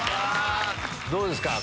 どうですか？